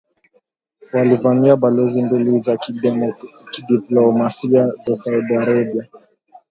walivamia balozi mbili za kidiplomasia za Saudi Arabia